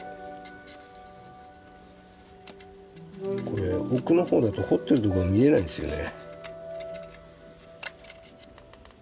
これ奥の方だと彫ってるところ見えないんですよね。